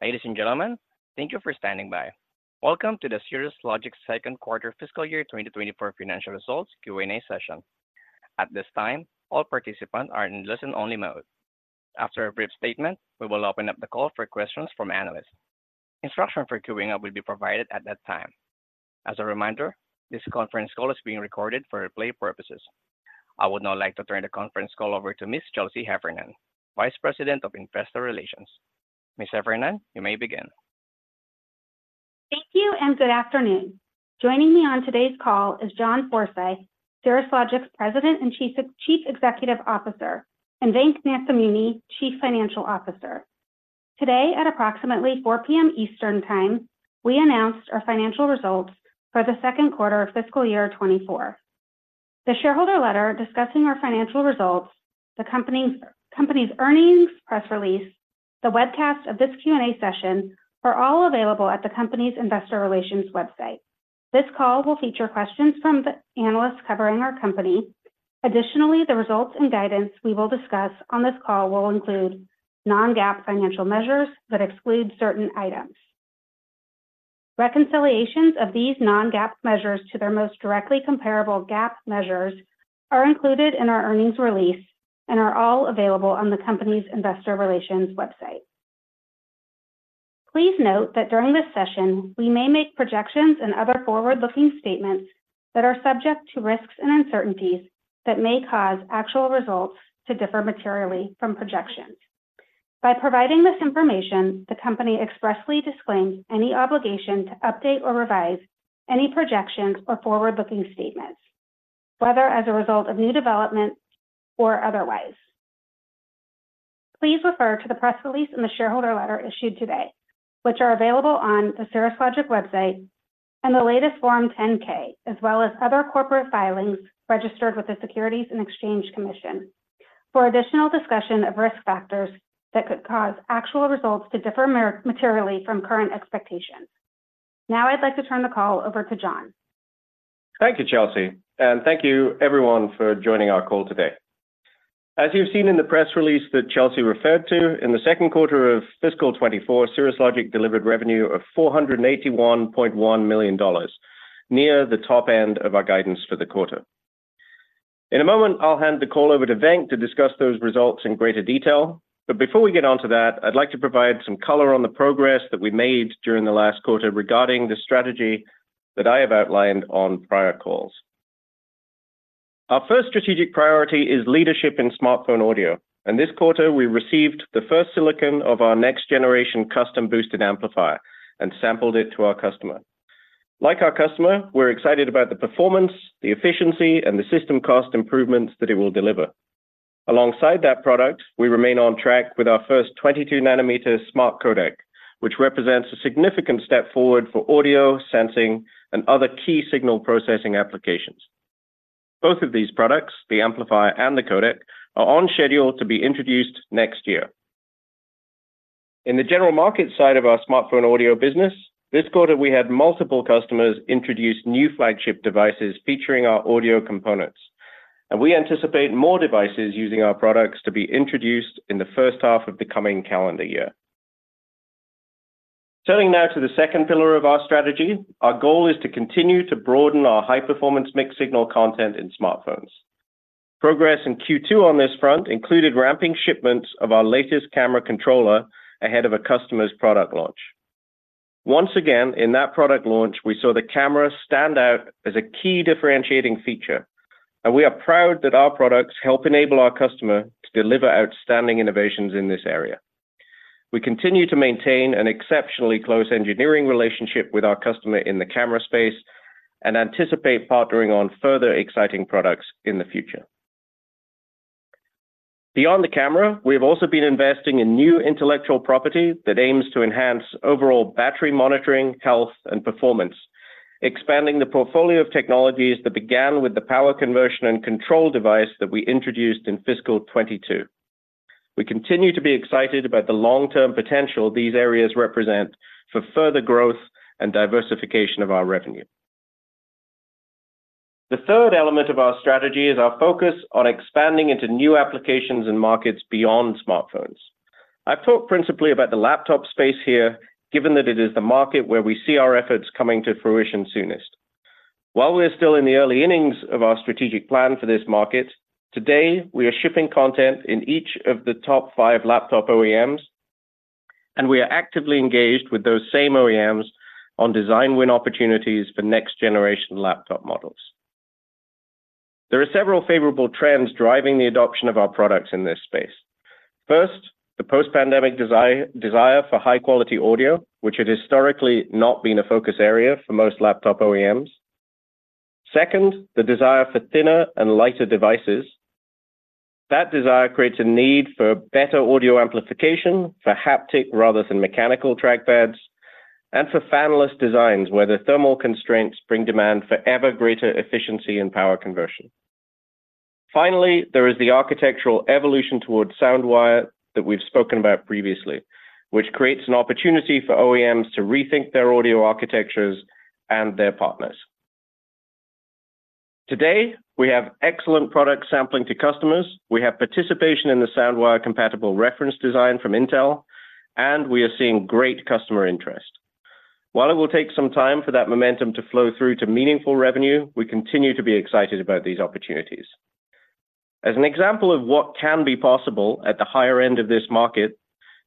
Ladies and gentlemen, thank you for standing by. Welcome to the Cirrus Logic second quarter fiscal year 2024 financial results Q&A session. At this time, all participants are in listen-only mode. After a brief statement, we will open up the call for questions from analysts. Instruction for queuing up will be provided at that time. As a reminder, this conference call is being recorded for replay purposes. I would now like to turn the conference call over to Ms. Chelsea Heffernan, Vice President of Investor Relations. Ms. Heffernan, you may begin. Thank you, and good afternoon. Joining me on today's call is John Forsyth, Cirrus Logic's President and Chief Executive Officer, and Venk Nathamuni, Chief Financial Officer. Today, at approximately 4:00 P.M. Eastern Time, we announced our financial results for the second quarter of fiscal year 2024. The shareholder letter discussing our financial results, the company's earnings press release, the webcast of this Q&A session are all available at the company's investor relations website. This call will feature questions from the analysts covering our company. Additionally, the results and guidance we will discuss on this call will include non-GAAP financial measures that exclude certain items. Reconciliations of these non-GAAP measures to their most directly comparable GAAP measures are included in our earnings release and are all available on the company's investor relations website. Please note that during this session, we may make projections and other forward-looking statements that are subject to risks and uncertainties that may cause actual results to differ materially from projections. By providing this information, the company expressly disclaims any obligation to update or revise any projections or forward-looking statements, whether as a result of new developments or otherwise. Please refer to the press release and the shareholder letter issued today, which are available on the Cirrus Logic website and the latest Form 10-K, as well as other corporate filings registered with the Securities and Exchange Commission, for additional discussion of risk factors that could cause actual results to differ materially from current expectations. Now, I'd like to turn the call over to John. Thank you, Chelsea, and thank you everyone for joining our call today. As you've seen in the press release that Chelsea referred to, in the second quarter of fiscal 2024, Cirrus Logic delivered revenue of $481.1 million, near the top end of our guidance for the quarter. In a moment, I'll hand the call over to Venk to discuss those results in greater detail. Before we get onto that, I'd like to provide some color on the progress that we made during the last quarter regarding the strategy that I have outlined on prior calls. Our first strategic priority is leadership in smartphone audio, and this quarter, we received the first silicon of our next generation custom boosted amplifier and sampled it to our customer. Like our customer, we're excited about the performance, the efficiency, and the system cost improvements that it will deliver. Alongside that product, we remain on track with our first 22-nanometer smart codec, which represents a significant step forward for audio, sensing, and other key signal processing applications. Both of these products, the amplifier and the codec, are on schedule to be introduced next year. In the general market side of our smartphone audio business, this quarter, we had multiple customers introduce new flagship devices featuring our audio components, and we anticipate more devices using our products to be introduced in the first half of the coming calendar year. Turning now to the second pillar of our strategy, our goal is to continue to broaden our high-performance mixed-signal content in smartphones. Progress in Q2 on this front included ramping shipments of our latest camera controller ahead of a customer's product launch. Once again, in that product launch, we saw the camera stand out as a key differentiating feature, and we are proud that our products help enable our customer to deliver outstanding innovations in this area. We continue to maintain an exceptionally close engineering relationship with our customer in the camera space and anticipate partnering on further exciting products in the future. Beyond the camera, we have also been investing in new intellectual property that aims to enhance overall battery monitoring, health, and performance, expanding the portfolio of technologies that began with the power conversion and control device that we introduced in fiscal 2022. We continue to be excited about the long-term potential these areas represent for further growth and diversification of our revenue. The third element of our strategy is our focus on expanding into new applications and markets beyond smartphones. I've talked principally about the laptop space here, given that it is the market where we see our efforts coming to fruition soonest. While we're still in the early innings of our strategic plan for this market, today, we are shipping content in each of the top five laptop OEMs, and we are actively engaged with those same OEMs on design win opportunities for next generation laptop models. There are several favorable trends driving the adoption of our products in this space. First, the post-pandemic desire for high-quality audio, which had historically not been a focus area for most laptop OEMs. Second, the desire for thinner and lighter devices. That desire creates a need for better audio amplification, for haptic rather than mechanical trackpads, and for fanless designs, where the thermal constraints bring demand for ever greater efficiency and power conversion. Finally, there is the architectural evolution towards SoundWire that we've spoken about previously, which creates an opportunity for OEMs to rethink their audio architectures and their partners. Today, we have excellent product sampling to customers, we have participation in the SoundWire-compatible reference design from Intel, and we are seeing great customer interest. While it will take some time for that momentum to flow through to meaningful revenue, we continue to be excited about these opportunities. As an example of what can be possible at the higher end of this market,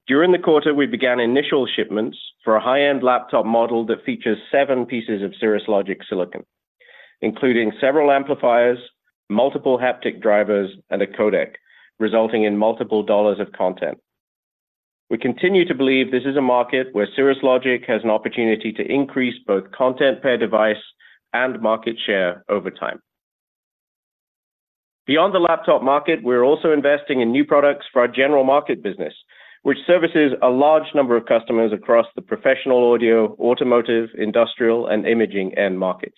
during the quarter, we began initial shipments for a high-end laptop model that features seven pieces of Cirrus Logic silicon, including several amplifiers, multiple haptic drivers, and a codec, resulting in multiple dollars of content. We continue to believe this is a market where Cirrus Logic has an opportunity to increase both content per device and market share over time. Beyond the laptop market, we're also investing in new products for our general market business, which services a large number of customers across the professional audio, automotive, industrial, and imaging end markets.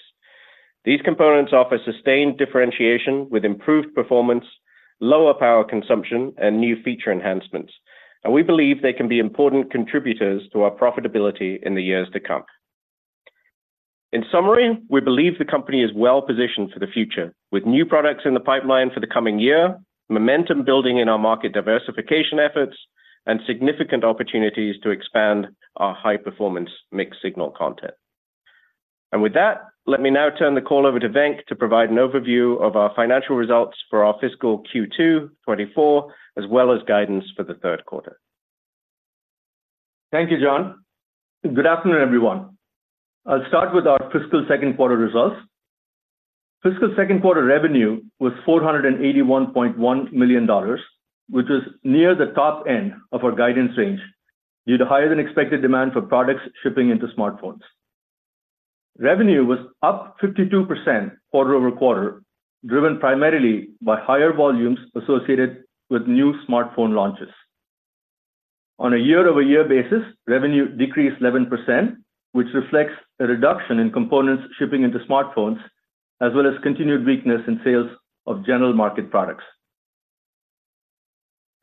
These components offer sustained differentiation with improved performance, lower power consumption, and new feature enhancements, and we believe they can be important contributors to our profitability in the years to come. In summary, we believe the company is well positioned for the future, with new products in the pipeline for the coming year, momentum building in our market diversification efforts, and significant opportunities to expand our high-performance mixed-signal content. With that, let me now turn the call over to Venk to provide an overview of our financial results for our fiscal Q2 2024, as well as guidance for the third quarter. Thank you, John. Good afternoon, everyone. I'll start with our fiscal second quarter results. Fiscal second quarter revenue was $481.1 million, which was near the top end of our guidance range, due to higher than expected demand for products shipping into smartphones. Revenue was up 52% quarter-over-quarter, driven primarily by higher volumes associated with new smartphone launches. On a year-over-year basis, revenue decreased 11%, which reflects a reduction in components shipping into smartphones, as well as continued weakness in sales of general market products.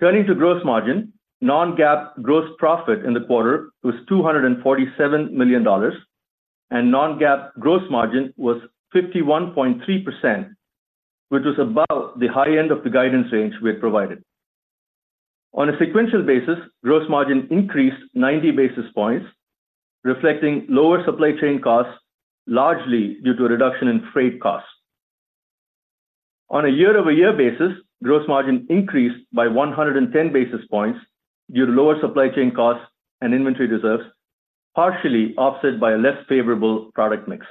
Turning to gross margin, non-GAAP gross profit in the quarter was $247 million, and non-GAAP gross margin was 51.3%, which was above the high end of the guidance range we had provided. On a sequential basis, gross margin increased 90 basis points, reflecting lower supply chain costs, largely due to a reduction in freight costs. On a year-over-year basis, gross margin increased by 110 basis points due to lower supply chain costs and inventory reserves, partially offset by a less favorable product mix.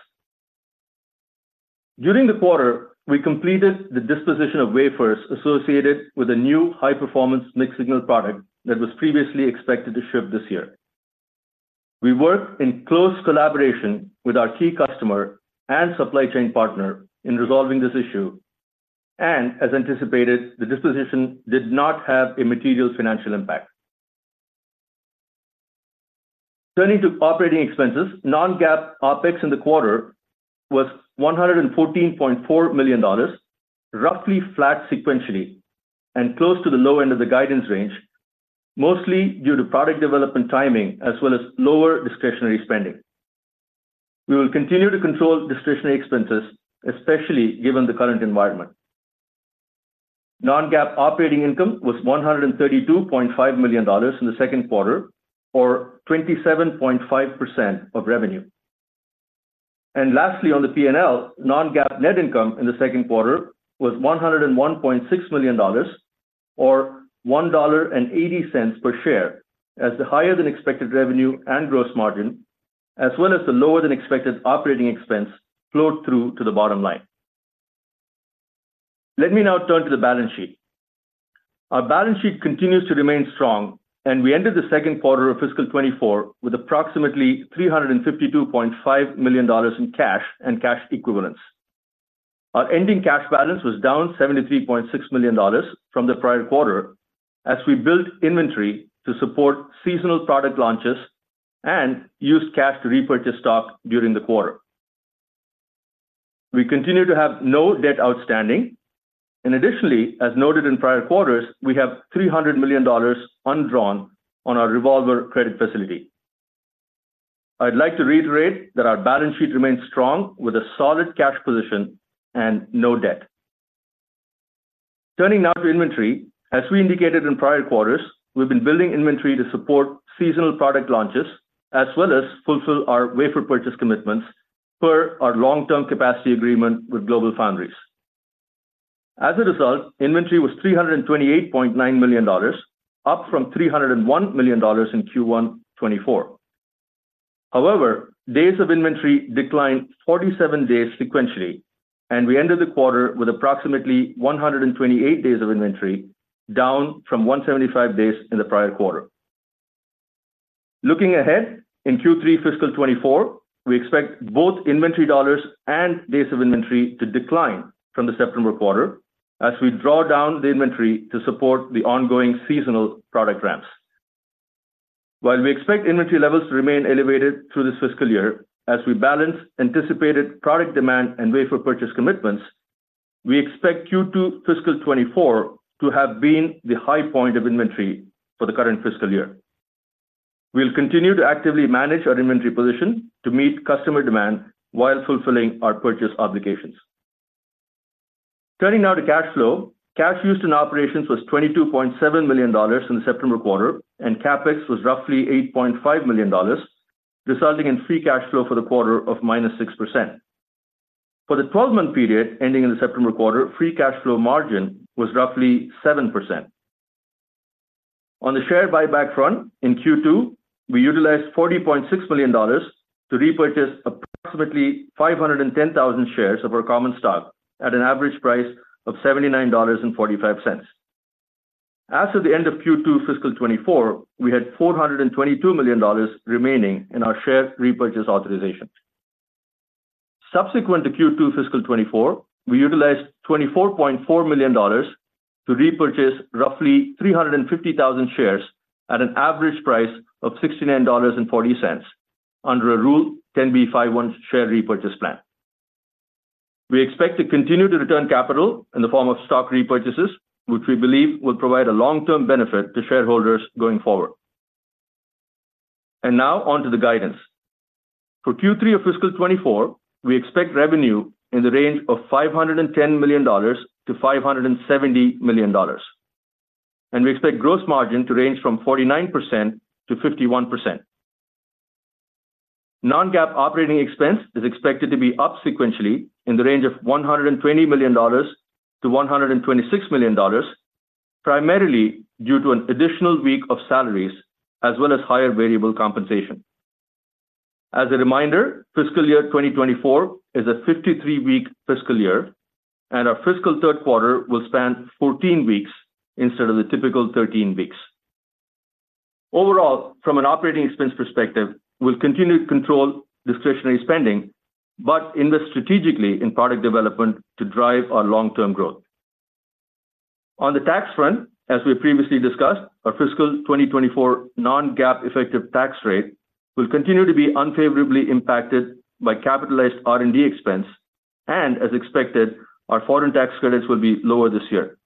During the quarter, we completed the disposition of wafers associated with a new high-performance mixed-signal product that was previously expected to ship this year. We worked in close collaboration with our key customer and supply chain partner in resolving this issue, and, as anticipated, the disposition did not have a material financial impact. Turning to operating expenses, non-GAAP OpEx in the quarter was $114.4 million, roughly flat sequentially and close to the low end of the guidance range, mostly due to product development timing, as well as lower discretionary spending. We will continue to control discretionary expenses, especially given the current environment. Non-GAAP operating income was $132.5 million in the second quarter, or 27.5% of revenue. Lastly, on the P&L, non-GAAP net income in the second quarter was $101.6 million, or $1.80 per share, as the higher than expected revenue and gross margin, as well as the lower than expected operating expense, flowed through to the bottom line. Let me now turn to the balance sheet. Our balance sheet continues to remain strong, and we ended the second quarter of fiscal 2024 with approximately $352.5 million in cash and cash equivalents. Our ending cash balance was down $73.6 million from the prior quarter as we built inventory to support seasonal product launches and used cash to repurchase stock during the quarter. We continue to have no debt outstanding, and additionally, as noted in prior quarters, we have $300 million undrawn on our revolver credit facility. I'd like to reiterate that our balance sheet remains strong, with a solid cash position and no debt. Turning now to inventory, as we indicated in prior quarters, we've been building inventory to support seasonal product launches, as well as fulfill our wafer purchase commitments per our long-term capacity agreement with GlobalFoundries. As a result, inventory was $328.9 million, up from $301 million in Q1 2024. However, days of inventory declined 47 days sequentially, and we ended the quarter with approximately 128 days of inventory, down from 175 days in the prior quarter. Looking ahead, in Q3 fiscal 2024, we expect both inventory dollars and days of inventory to decline from the September quarter as we draw down the inventory to support the ongoing seasonal product ramps. While we expect inventory levels to remain elevated through this fiscal year, as we balance anticipated product demand and wafer purchase commitments, we expect Q2 fiscal 2024 to have been the high point of inventory for the current fiscal year. We'll continue to actively manage our inventory position to meet customer demand while fulfilling our purchase obligations. Turning now to cash flow. Cash used in operations was $22.7 million in the September quarter, and CapEx was roughly $8.5 million, resulting in free cash flow for the quarter of -6%. For the twelve-month period ending in the September quarter, free cash flow margin was roughly 7%. On the share buyback front, in Q2, we utilized $40.6 million to repurchase approximately 510,000 shares of our common stock at an average price of $79.45. As of the end of Q2 fiscal 2024, we had $422 million remaining in our share repurchase authorization. Subsequent to Q2 fiscal 2024, we utilized $24.4 million to repurchase roughly 350,000 shares at an average price of $69.40 under a Rule 10b5-1 share repurchase plan. We expect to continue to return capital in the form of stock repurchases, which we believe will provide a long-term benefit to shareholders going forward. Now, on to the guidance. For Q3 of fiscal 2024, we expect revenue in the range of $510 million-$570 million, and we expect gross margin to range from 49%-51%. Non-GAAP operating expense is expected to be up sequentially in the range of $120 million-$126 million, primarily due to an additional week of salaries as well as higher variable compensation. As a reminder, fiscal year 2024 is a 53-week fiscal year, and our fiscal third quarter will span 14 weeks instead of the typical 13 weeks. Overall, from an operating expense perspective, we'll continue to control discretionary spending, but invest strategically in product development to drive our long-term growth. On the tax front, as we previously discussed, our fiscal 2024 non-GAAP effective tax rate will continue to be unfavorably impacted by capitalized R&D expense, and as expected, our foreign tax credits will be lower this year.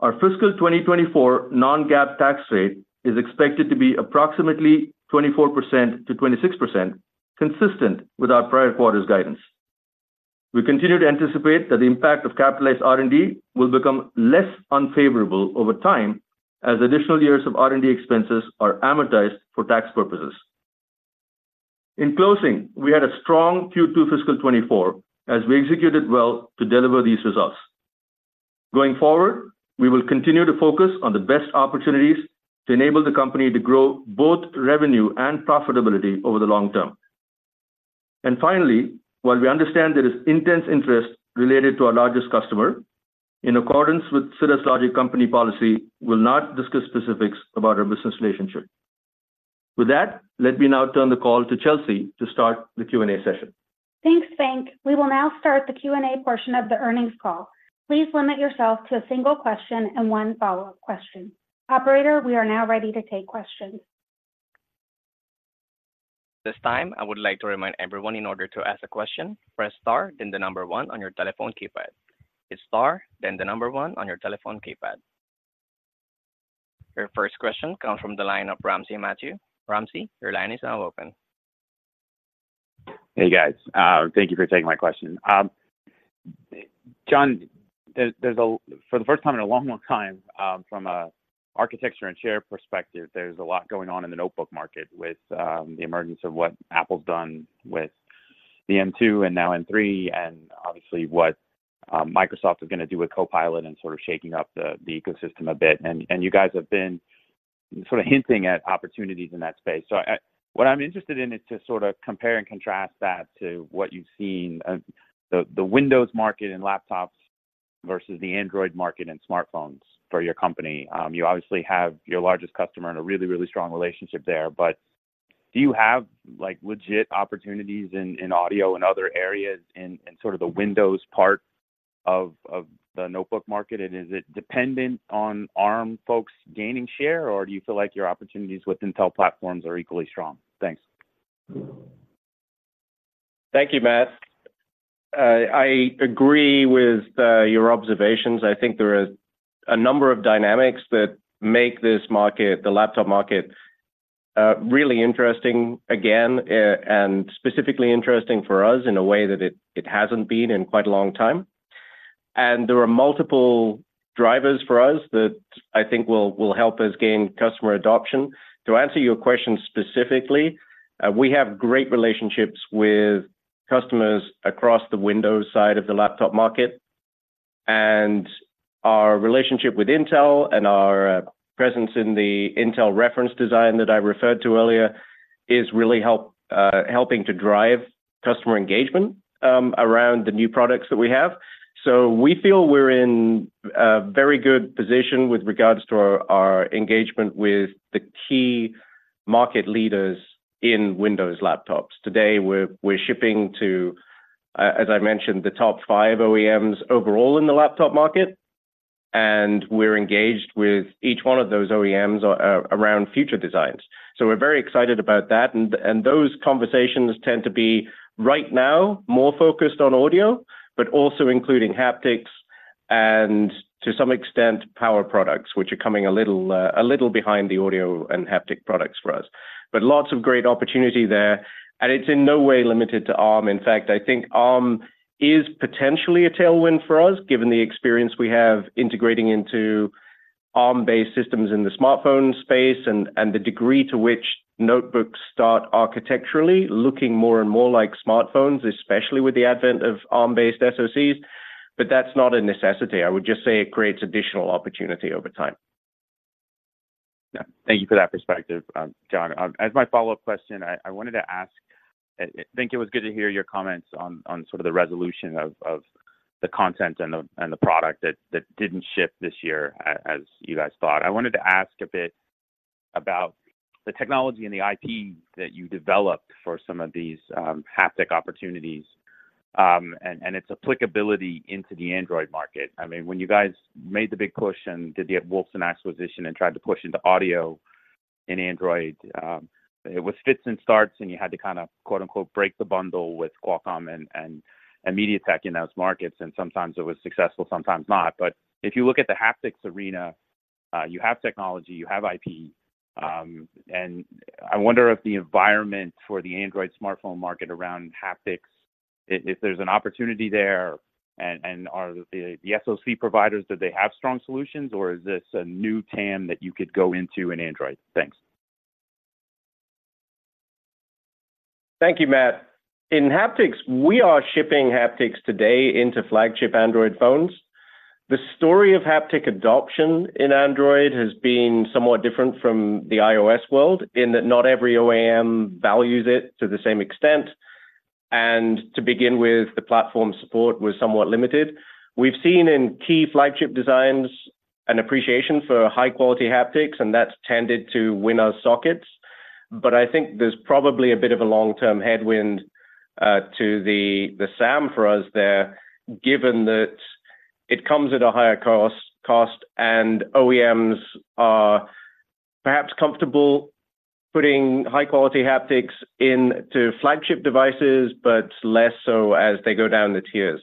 Our fiscal 2024 non-GAAP tax rate is expected to be approximately 24%-26%, consistent with our prior quarter's guidance. We continue to anticipate that the impact of capitalized R&D will become less unfavorable over time as additional years of R&D expenses are amortized for tax purposes. In closing, we had a strong Q2 fiscal 2024 as we executed well to deliver these results. Going forward, we will continue to focus on the best opportunities to enable the company to grow both revenue and profitability over the long term. And finally, while we understand there is intense interest related to our largest customer, in accordance with Cirrus Logic company policy, we'll not discuss specifics about our business relationship. With that, let me now turn the call to Chelsea to start the Q&A session. Thanks, Venk. We will now start the Q&A portion of the earnings call. Please limit yourself to a single question and one follow-up question. Operator, we are now ready to take questions. This time, I would like to remind everyone, in order to ask a question, press star, then the number one on your telephone keypad. It's star, then the number one on your telephone keypad. Your first question comes from the line of Matt Ramsay. Matt, your line is now open. Hey, guys. Thank you for taking my question. John, there's for the first time in a long, long time, from a architecture and share perspective, there's a lot going on in the notebook market with the emergence of what Apple's done with the M2 and now M3, and obviously what Microsoft is gonna do with Copilot and sort of shaking up the ecosystem a bit. And you guys have been sort of hinting at opportunities in that space. So what I'm interested in is to sorta compare and contrast that to what you've seen, the Windows market and laptops versus the Android market and smartphones for your company. You obviously have your largest customer and a really, really strong relationship there, but do you have, like, legit opportunities in audio and other areas in sort of the Windows part of the notebook market? Is it dependent on ARM folks gaining share, or do you feel like your opportunities with Intel platforms are equally strong? Thanks. Thank you, Matt. I agree with your observations. I think there are a number of dynamics that make this market, the laptop market, really interesting again, and specifically interesting for us in a way that it hasn't been in quite a long time. And there are multiple drivers for us that I think will help us gain customer adoption. To answer your question specifically, we have great relationships with customers across the Windows side of the laptop market, and our relationship with Intel and our presence in the Intel reference design that I referred to earlier is really helping to drive customer engagement around the new products that we have. So we feel we're in a very good position with regards to our engagement with the key market leaders in Windows laptops. Today, we're shipping to, as I mentioned, the top five OEMs overall in the laptop market, and we're engaged with each one of those OEMs around future designs. So we're very excited about that, and those conversations tend to be, right now, more focused on audio, but also including haptics.... and to some extent, power products, which are coming a little, a little behind the audio and haptic products for us. But lots of great opportunity there, and it's in no way limited to Arm. In fact, I think Arm is potentially a tailwind for us, given the experience we have integrating into Arm-based systems in the smartphone space and the degree to which notebooks start architecturally looking more and more like smartphones, especially with the advent of Arm-based SoCs. But that's not a necessity. I would just say it creates additional opportunity over time. Yeah. Thank you for that perspective, John. As my follow-up question, I wanted to ask. I think it was good to hear your comments on sort of the resolution of the content and the product that didn't ship this year as you guys thought. I wanted to ask a bit about the technology and the IP that you developed for some of these haptic opportunities and its applicability into the Android market. I mean, when you guys made the big push and did the Wolfson acquisition and tried to push into audio in Android, it was fits and starts, and you had to kind of, quote, unquote, "break the bundle" with Qualcomm and MediaTek in those markets, and sometimes it was successful, sometimes not. But if you look at the haptics arena, you have technology, you have IP, and I wonder if the environment for the Android smartphone market around haptics, if there's an opportunity there, and are the SoC providers, do they have strong solutions, or is this a new TAM that you could go into in Android? Thanks. Thank you, Matt. In haptics, we are shipping haptics today into flagship Android phones. The story of haptic adoption in Android has been somewhat different from the iOS world, in that not every OEM values it to the same extent, and to begin with, the platform support was somewhat limited. We've seen in key flagship designs an appreciation for high-quality haptics, and that's tended to win us sockets. But I think there's probably a bit of a long-term headwind to the SAM for us there, given that it comes at a higher cost, and OEMs are perhaps comfortable putting high-quality haptics into flagship devices, but less so as they go down the tiers.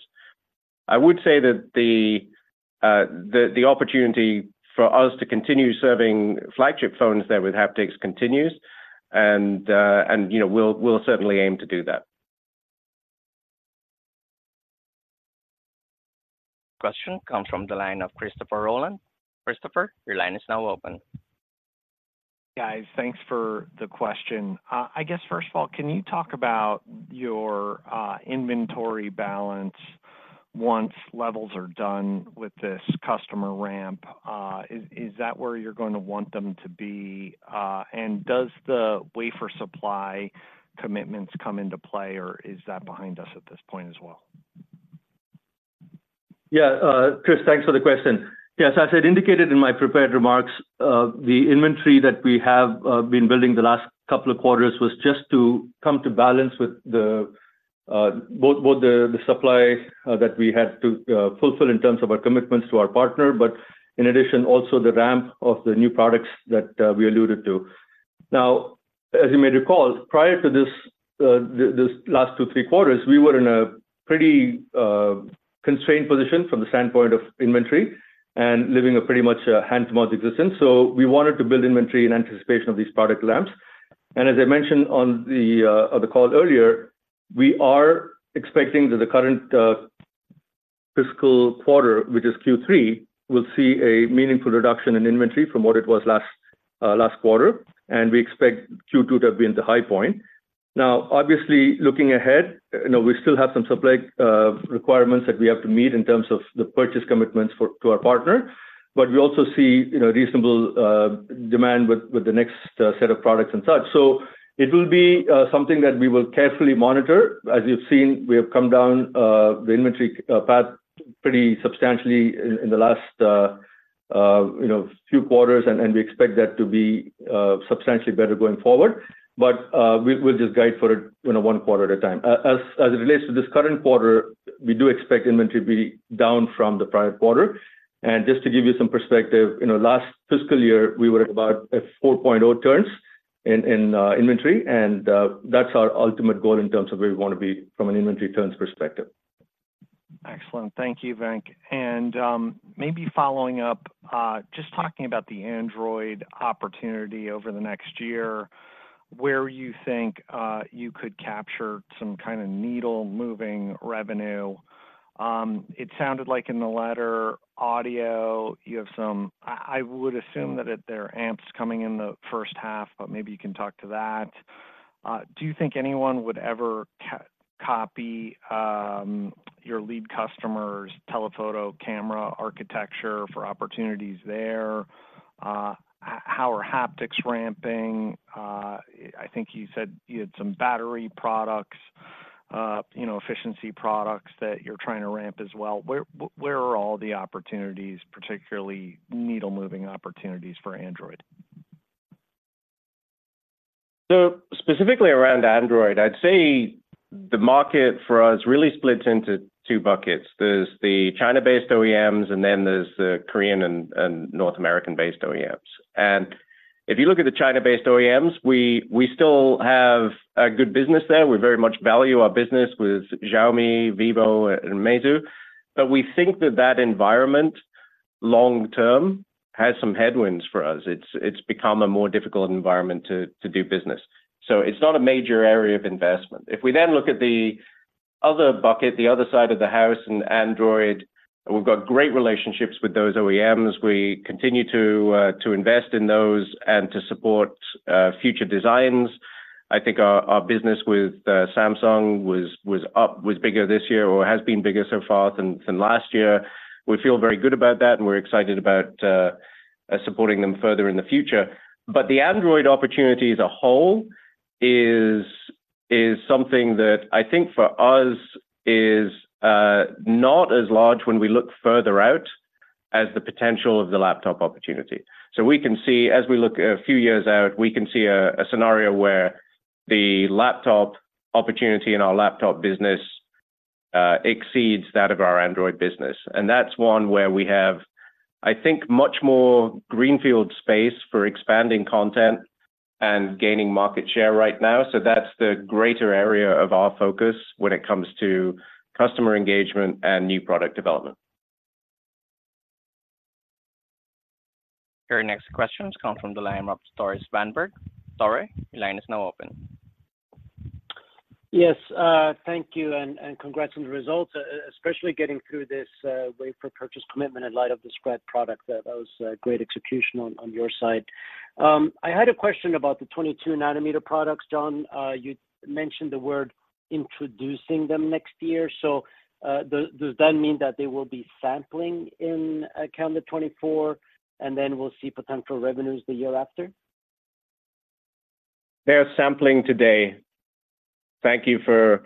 I would say that the opportunity for us to continue serving flagship phones there with haptics continues, and, you know, we'll certainly aim to do that. Question comes from the line of Christopher Rolland. Christopher, your line is now open. Guys, thanks for the question. I guess, first of all, can you talk about your inventory balance once levels are done with this customer ramp? Is that where you're going to want them to be, and does the wafer supply commitments come into play, or is that behind us at this point as well? Yeah, Chris, thanks for the question. Yes, as I'd indicated in my prepared remarks, the inventory that we have been building the last couple of quarters was just to come to balance with the both, both the the supply that we had to fulfill in terms of our commitments to our partner, but in addition, also the ramp of the new products that we alluded to. Now, as you may recall, prior to this this last two, three quarters, we were in a pretty constrained position from the standpoint of inventory and living a pretty much hand-to-mouth existence. So we wanted to build inventory in anticipation of these product ramps. As I mentioned on the, on the call earlier, we are expecting that the current, fiscal quarter, which is Q3, will see a meaningful reduction in inventory from what it was last, last quarter, and we expect Q2 to have been the high point. Now, obviously, looking ahead, you know, we still have some supply, requirements that we have to meet in terms of the purchase commitments for, to our partner, but we also see, you know, reasonable, demand with, with the next, set of products and such. So it will be, something that we will carefully monitor. As you've seen, we have come down, the inventory, path pretty substantially in, in the last, you know, few quarters, and, and we expect that to be, substantially better going forward. But we'll just guide for it, you know, one quarter at a time. As it relates to this current quarter, we do expect inventory to be down from the prior quarter. And just to give you some perspective, you know, last fiscal year, we were at about 4.0 turns in inventory, and that's our ultimate goal in terms of where we wanna be from an inventory turns perspective. Excellent. Thank you, Venk. Maybe following up, just talking about the Android opportunity over the next year, where you think you could capture some kind of needle-moving revenue. It sounded like in the laptop audio, you have some... I would assume that there are amps coming in the first half, but maybe you can talk to that. Do you think anyone would ever copy your lead customer's telephoto camera architecture for opportunities there? How are haptics ramping? I think you said you had some battery products, you know, efficiency products that you're trying to ramp as well. Where are all the opportunities, particularly needle-moving opportunities, for Android? So specifically around Android, I'd say the market for us really splits into two buckets. There's the China-based OEMs, and then there's the Korean and North American-based OEMs. If you look at the China-based OEMs, we still have a good business there. We very much value our business with Xiaomi, Vivo, and Meizu. But we think that that environment, long term, has some headwinds for us. It's become a more difficult environment to do business. So it's not a major area of investment. If we then look at the other bucket, the other side of the house in Android, we've got great relationships with those OEMs. We continue to invest in those and to support future designs. I think our business with Samsung was bigger this year or has been bigger so far than last year. We feel very good about that, and we're excited about supporting them further in the future. But the Android opportunity as a whole is something that I think for us is not as large when we look further out as the potential of the laptop opportunity. So we can see, as we look a few years out, we can see a scenario where the laptop opportunity in our laptop business exceeds that of our Android business. And that's one where we have, I think, much more greenfield space for expanding content and gaining market share right now. So that's the greater area of our focus when it comes to customer engagement and new product development. Your next question comes from the line of Tore Svanberg. Tore, your line is now open. Yes, thank you and congrats on the results, especially getting through this wafer purchase commitment in light of the smart product. That was a great execution on your side. I had a question about the 22-nanometer products, John. You mentioned the word introducing them next year. So, does that mean that they will be sampling in calendar 2024, and then we'll see potential revenues the year after? They're sampling today. Thank you for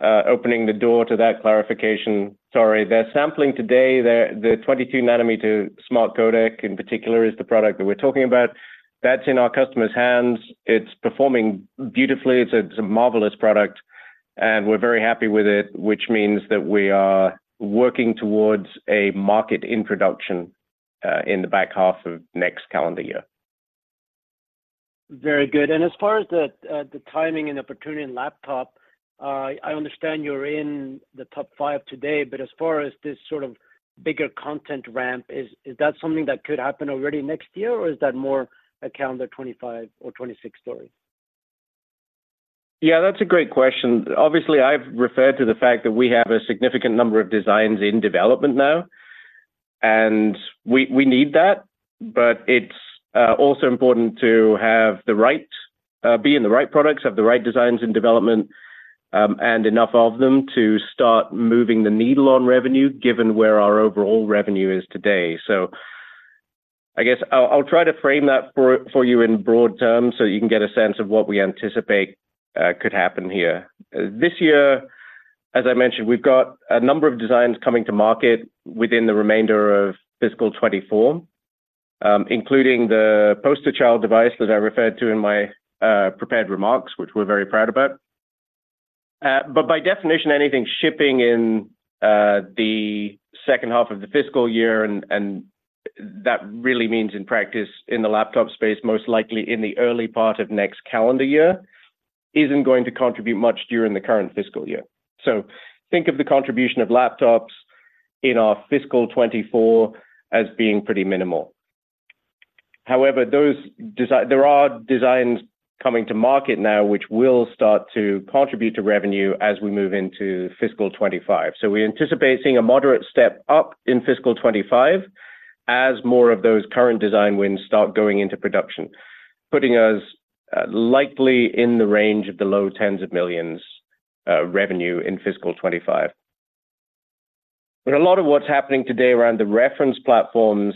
opening the door to that clarification. Sorry. They're sampling today. The 22-nanometer smart codec, in particular, is the product that we're talking about. That's in our customer's hands. It's performing beautifully. It's a marvelous product, and we're very happy with it, which means that we are working towards a market introduction in the back half of next calendar year. Very good. As far as the timing and opportunity in laptop, I understand you're in the top 5 today, but as far as this sort of bigger content ramp, is that something that could happen already next year, or is that more a calendar 2025 or 2026 story? Yeah, that's a great question. Obviously, I've referred to the fact that we have a significant number of designs in development now, and we need that, but it's also important to be in the right products, have the right designs in development, and enough of them to start moving the needle on revenue, given where our overall revenue is today. So I guess I'll try to frame that for you in broad terms so you can get a sense of what we anticipate could happen here. This year, as I mentioned, we've got a number of designs coming to market within the remainder of fiscal 2024, including the poster child device that I referred to in my prepared remarks, which we're very proud about. But by definition, anything shipping in the second half of the fiscal year, and that really means in practice, in the laptop space, most likely in the early part of next calendar year, isn't going to contribute much during the current fiscal year. So think of the contribution of laptops in our fiscal 2024 as being pretty minimal. However, those designs—there are designs coming to market now, which will start to contribute to revenue as we move into fiscal 2025. So we anticipate seeing a moderate step up in fiscal 2025 as more of those current design wins start going into production, putting us likely in the range of the low tens of millions $ revenue in fiscal 2025. But a lot of what's happening today around the reference platforms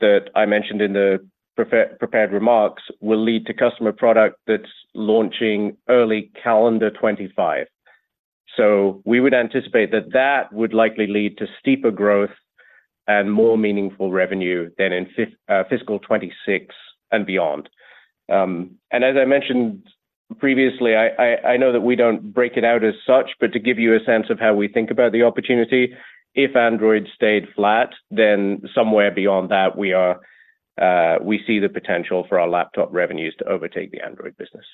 that I mentioned in the prepared remarks will lead to customer product that's launching early calendar 2025. So we would anticipate that that would likely lead to steeper growth and more meaningful revenue than in fiscal 2026 and beyond. And as I mentioned previously, I know that we don't break it out as such, but to give you a sense of how we think about the opportunity, if Android stayed flat, then somewhere beyond that, we see the potential for our laptop revenues to overtake the Android business.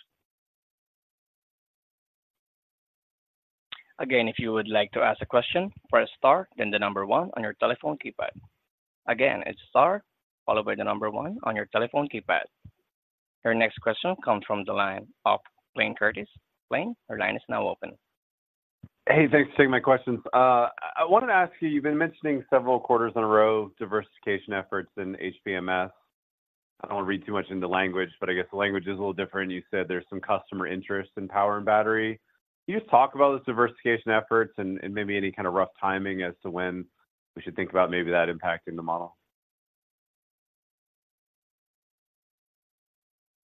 Again, if you would like to ask a question, press star, then the number one on your telephone keypad. Again, it's star, followed by the number one on your telephone keypad. Your next question comes from the line of Blayne Curtis. Blaine, your line is now open. Hey, thanks for taking my questions. I wanted to ask you, you've been mentioning several quarters in a row, diversification efforts in HPMS. I don't want to read too much into language, but I guess the language is a little different. You said there's some customer interest in power and battery. Can you just talk about those diversification efforts and, and maybe any kind of rough timing as to when we should think about maybe that impact in the model?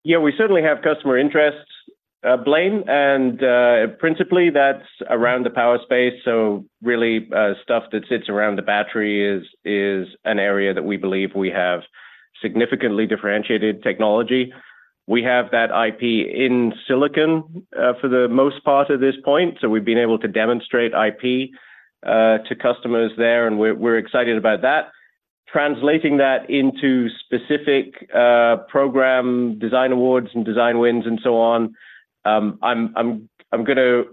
Yeah, we certainly have customer interests, Blaine, and principally, that's around the power space. So really, stuff that sits around the battery is an area that we believe we have significantly differentiated technology. We have that IP in silicon for the most part at this point, so we've been able to demonstrate IP to customers there, and we're excited about that. Translating that into specific program design awards and design wins, and so on, I'm gonna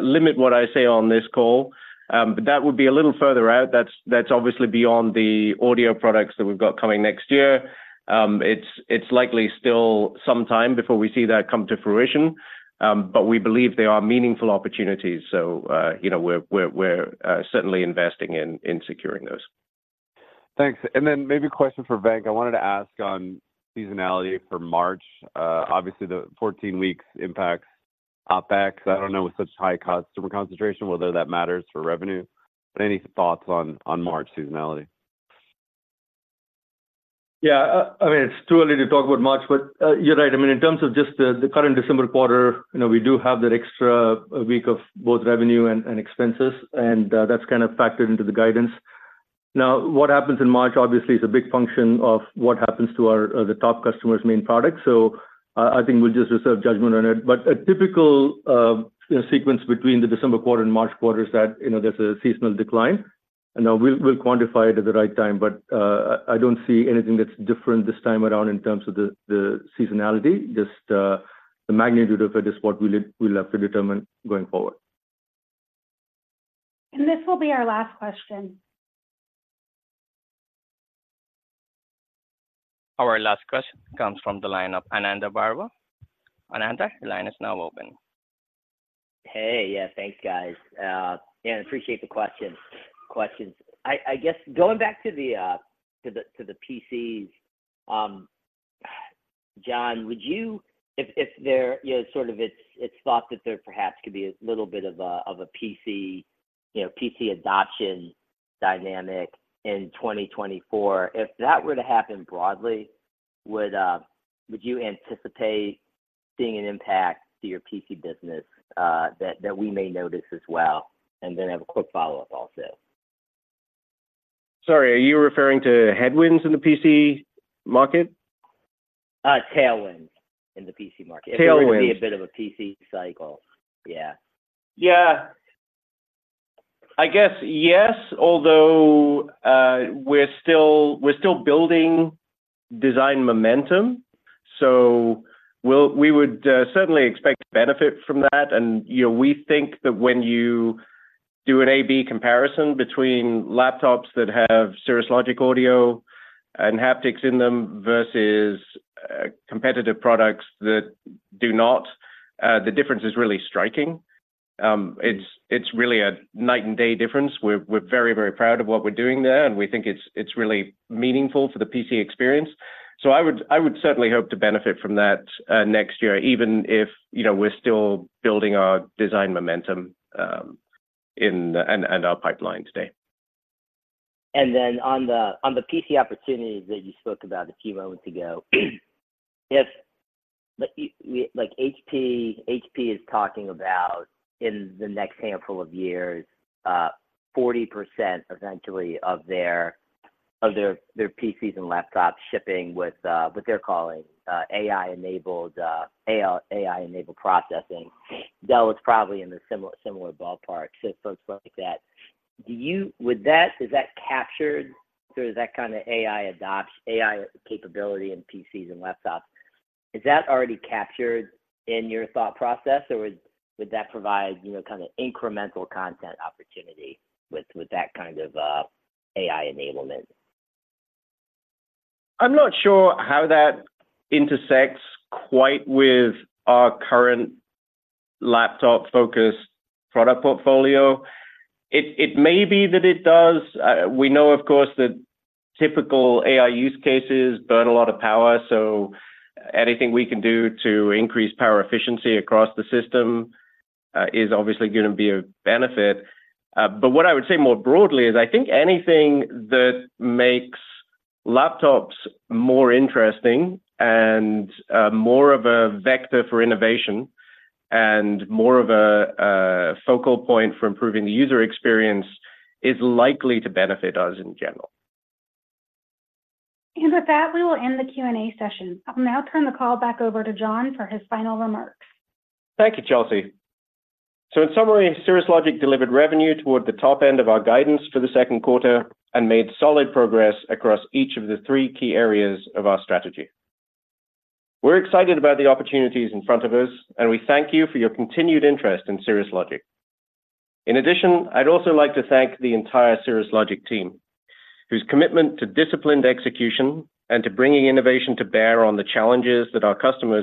limit what I say on this call. But that would be a little further out. That's obviously beyond the audio products that we've got coming next year. It's likely still some time before we see that come to fruition, but we believe they are meaningful opportunities, so you know, we're certainly investing in securing those. Thanks. And then maybe a question for Venk. I wanted to ask on seasonality for March. Obviously, the 14 weeks impacts OpEx. I don't know, with such high customer concentration, whether that matters for revenue, but any thoughts on March seasonality? Yeah. I mean, it's too early to talk about March, but you're right. I mean, in terms of just the current December quarter, you know, we do have that extra week of both revenue and expenses, and that's kind of factored into the guidance. Now, what happens in March, obviously, is a big function of what happens to our the top customers' main products. So I think we'll just reserve judgment on it. But a typical sequence between the December quarter and March quarter is that, you know, there's a seasonal decline, and we'll quantify it at the right time, but I don't see anything that's different this time around in terms of the seasonality. Just the magnitude of it is what we'll have to determine going forward. This will be our last question. Our last question comes from the line of Ananda Baruah. Ananda, the line is now open. Hey, yeah, thanks, guys. Yeah, appreciate the question, questions. I guess going back to the PCs, John, would you, if there, you know, sort of it's thought that there perhaps could be a little bit of a PC adoption dynamic in 2024. If that were to happen broadly, would you anticipate seeing an impact to your PC business that we may notice as well? And then I have a quick follow-up also. Sorry, are you referring to headwinds in the PC market? Tailwinds in the PC market. Tailwinds. If there were to be a bit of a PC cycle. Yeah. Yeah. I guess yes, although we're still building design momentum, so we'll, we would certainly expect to benefit from that. And, you know, we think that when you do an AB comparison between laptops that have Cirrus Logic audio and haptics in them versus competitive products that do not, the difference is really striking. It's really a night and day difference. We're very, very proud of what we're doing there, and we think it's really meaningful for the PC experience. So I would certainly hope to benefit from that next year, even if, you know, we're still building our design momentum, and our pipeline today. And then on the PC opportunities that you spoke about a few moments ago, if, like, you—like HP, HP is talking about in the next handful of years, 40% eventually of their PCs and laptops shipping with what they're calling AI-enabled processing. Dell is probably in the similar ballpark, so folks like that. Do you—would that—is that captured through that kinda AI adoption—AI capability in PCs and laptops? Is that already captured in your thought process, or would that provide, you know, kinda incremental content opportunity with that kind of AI enablement? I'm not sure how that intersects quite with our current laptop-focused product portfolio. It may be that it does. We know, of course, that typical AI use cases burn a lot of power, so anything we can do to increase power efficiency across the system is obviously gonna be a benefit. But what I would say more broadly is, I think anything that makes laptops more interesting and more of a vector for innovation, and more of a focal point for improving the user experience, is likely to benefit us in general. With that, we will end the Q&A session. I'll now turn the call back over to John for his final remarks. Thank you, Chelsea. So in summary, Cirrus Logic delivered revenue toward the top end of our guidance for the second quarter and made solid progress across each of the three key areas of our strategy. We're excited about the opportunities in front of us, and we thank you for your continued interest in Cirrus Logic. In addition, I'd also like to thank the entire Cirrus Logic team, whose commitment to disciplined execution and to bringing innovation to bear on the challenges that our customers-